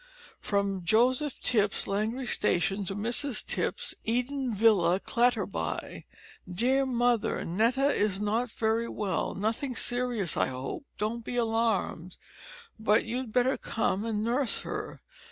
"From Joseph Tipps, Langrye station, to Mrs Tipps, Eden Villa, Clatterby. Dear Mother, Netta is not very well nothing serious, I hope don't be alarmed but you'd better come and nurse her.